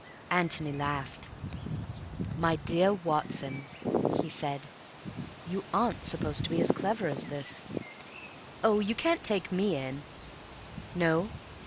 Antony laughed. "My dear Watson," he said, "you aren't supposed to be as clever as this." "Oh, you can't take me in!" "No....